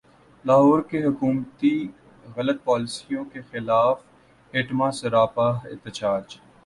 لاہور حکومتی غلط پالیسیوں کیخلاف ایپٹما سراپا احتجاج